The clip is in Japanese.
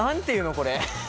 これ。